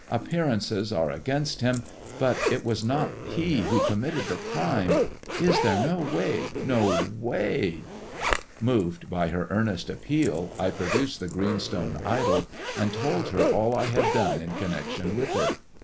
Appearances are against him, but it was not he who committed the crime. Is there no way — no way 1 " Moved by her earnest appeal, I produced the green stone idol, and told her all I had done in connection with it.